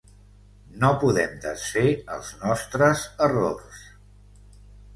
No podem desfer els nostres errors.